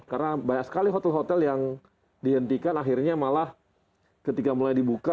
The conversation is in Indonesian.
karena banyak sekali hotel hotel yang dihentikan akhirnya malah ketika mulai dibuka